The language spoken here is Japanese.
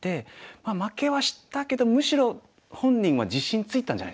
まあ負けはしたけどむしろ本人は自信ついたんじゃないですかね。